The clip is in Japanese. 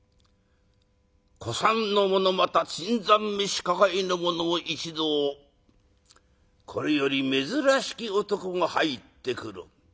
古参の者また新参召し抱えの者も一同これより珍しき男が入ってくる。